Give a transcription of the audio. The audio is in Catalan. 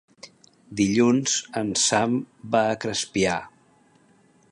Dilluns en Sam va a Crespià.